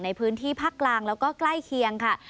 ในพื้นที่ภาคกลางแล้วก็ใกล้เคียงค่ะ